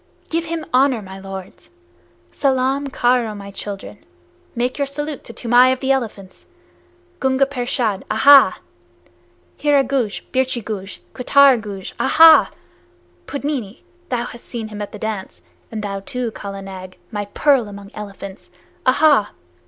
Give him honor, my lords! Salaam karo, my children. Make your salute to Toomai of the Elephants! Gunga Pershad, ahaa! Hira Guj, Birchi Guj, Kuttar Guj, ahaa! Pudmini, thou hast seen him at the dance, and thou too, Kala Nag, my pearl among elephants! ahaa!